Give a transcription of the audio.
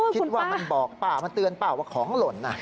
คิดว่ามันบอกป้ามันเตือนป้าว่าของหล่น